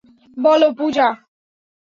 বলো, পূজা।